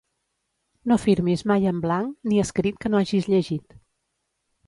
No firmis mai en blanc, ni escrit que no hagis llegit.